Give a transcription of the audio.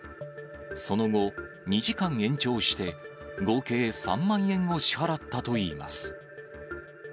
その後、２時間延長して、合計３万円を支払ったといいます。